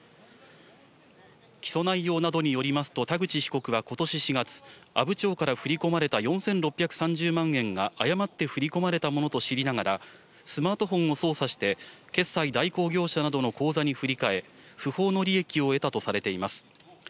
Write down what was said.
起訴内容などによりますと、田口被告はことし４月、阿武町から振り込まれた４６３０万円が誤って振り込まれたものと知りながら、スマートフォンを操作して、決済代行業者などの口座に振り替え、不法の利益を得たとされています。